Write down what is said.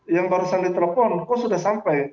yang barusan ditelepon kok sudah sampai